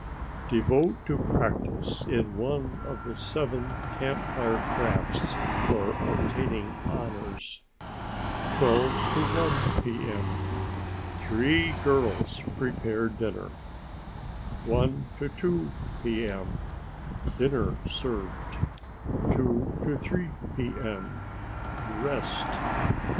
Devote to practice in one of the seven Camp Fire crafts for obtaining honors. 12 to 1 P.M. Three girls prepare dinner. 1 to 2 P.M. Dinner served. 2 to 3 P.M. Rest.